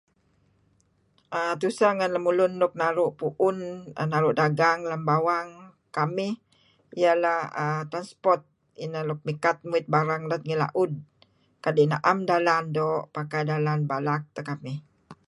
Aaa... tuseh ngen lemulun nuk naru' pu'un, naru' dagang lem bawang kamih ieh leh transport ineh luk mikat muit barang let ngih la'ud kadi' na'em dalan doo'. Pakai dalan balak teh kamih.